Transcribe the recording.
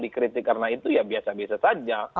dikritik karena itu ya biasa biasa saja